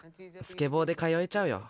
スケボーで通えちゃうよ。